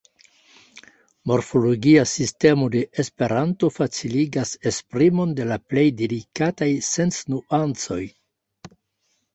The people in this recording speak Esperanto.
Morfologia sistemo de esperanto faciligas esprimon de la plej delikataj senc-nuancoj.